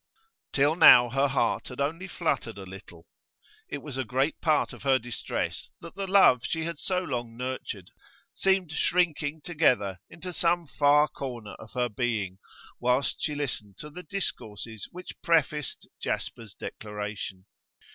Till now her heart had only fluttered a little; it was a great part of her distress that the love she had so long nurtured seemed shrinking together into some far corner of her being whilst she listened to the discourses which prefaced Jasper's declaration.